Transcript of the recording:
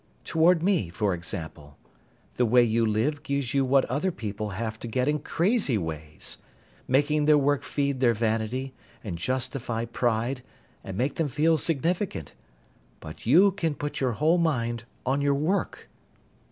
Toward me, for example. The way you live gives you what other people have to get in crazy ways making their work feed their vanity, and justify pride, and make them feel significant. But you can put your whole mind on your work."